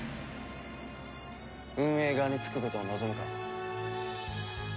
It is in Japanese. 運営側につくことを望むか？